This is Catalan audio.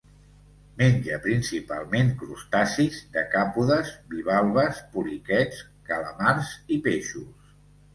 Menja principalment crustacis decàpodes, bivalves, poliquets, calamars i peixos.